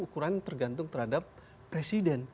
ukuran tergantung terhadap presiden